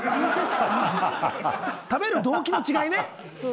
食べる動機の違いね。